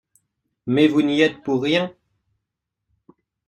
Mais vous n’y êtes pour rien